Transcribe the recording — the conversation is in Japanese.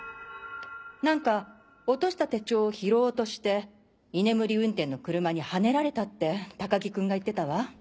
何か落とした手帳を拾おうとして居眠り運転の車にはねられたって高木君が言ってたわ。